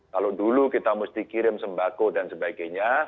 kalau dulu kita mesti kirim sembako dan sebagainya